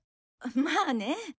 まあね。